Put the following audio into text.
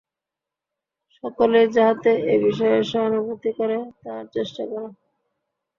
সকলেই যাহাতে এ বিষয়ে সহানুভূতি করে, তাহার চেষ্টা কর।